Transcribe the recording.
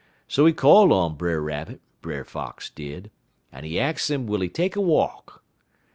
So he call on Brer Rabbit, Brer Fox did, en he ax 'im will he take a walk.